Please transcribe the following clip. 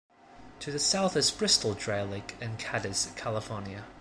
To the south is Bristol Dry Lake and Cadiz, California.